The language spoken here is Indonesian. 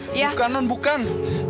bukan non bukan